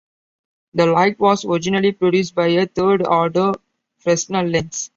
The light was originally produced by a third-order Fresnel lens.